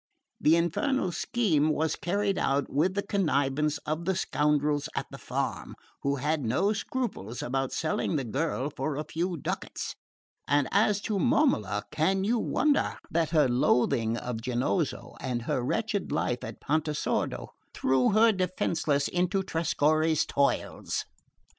The infernal scheme was carried out with the connivance of the scoundrels at the farm, who had no scruples about selling the girl for a few ducats; and as to Momola, can you wonder that her loathing of Giannozzo and of her wretched life at Pontesordo threw her defenceless into Trescorre's toils?